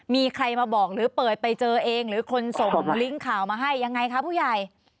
มีใครมาบอกหรือเปิดไปเจอเองหรือคนส่งลิงก์ข่าวมาให้ยังไงคะผู้ใหญ่